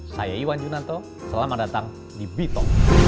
saya iwan junanto selamat datang di bito